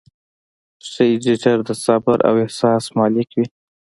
ښه ایډیټر د صبر او احساس مالک وي.